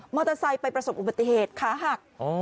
เตอร์ไซค์ไปประสบอุบัติเหตุขาหัก